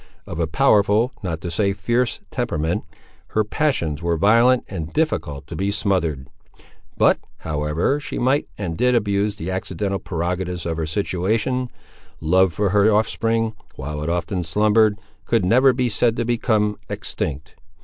Of a powerful, not to say fierce temperament, her passions were violent and difficult to be smothered. But, however she might and did abuse the accidental prerogatives of her situation, love for her offspring, while it often slumbered, could never be said to become extinct.